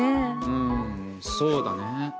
うんそうだね。